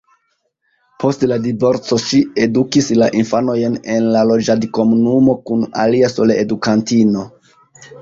Post la divorco ŝi edukis la infanojn en loĝadkomunumo kun alia soleedukantino.